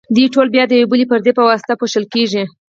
دوی ټول بیا د یوې بلې پردې په واسطه پوښل کیږي.